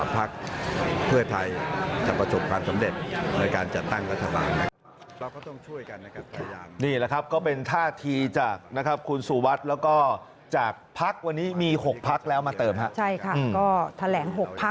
พักเพื่อไทยจะประสบความสำเร็จในการจัดตั้งรัฐบาล